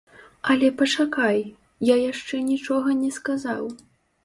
Але пачакай, я яшчэ нічога не сказаў.